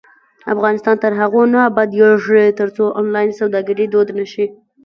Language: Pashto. افغانستان تر هغو نه ابادیږي، ترڅو آنلاین سوداګري دود نشي.